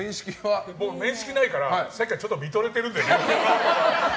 僕、面識ないからさっきからちょっと見とれてるんで。